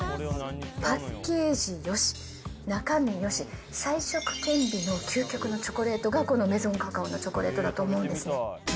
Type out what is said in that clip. パッケージよし、中身よし、才色兼備の究極のチョコレートが、このメゾンカカオのチョコレートだと思うんです。